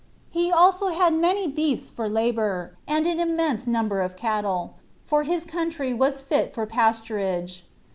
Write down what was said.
He had also many beasts for labor, and an immense number of cattle; for his country was fit for pasturage.